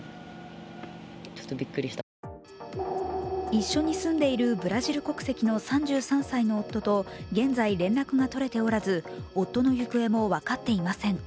一緒に住んでいるブラジル国籍の３３歳の夫と現在、連絡がとれておらず夫の行方も分かっていません。